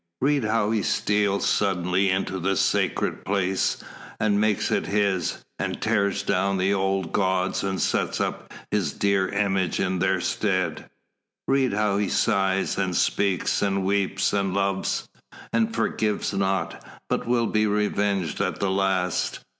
Read how he steals suddenly into the sacred place, and makes it his, and tears down the old gods and sets up his dear image in their stead read how he sighs, and speaks, and weeps, and loves and forgives not, but will be revenged at the last.